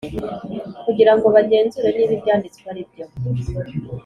kugira ngo bagenzure niba ibyanditse aribyo